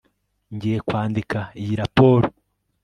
ngiye kwandika iyi raporo